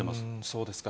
そうですか。